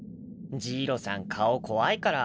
ジイロさん顔怖いから。